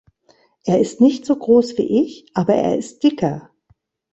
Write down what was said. Er ist nicht so gross wie ich, aber er ist dicker.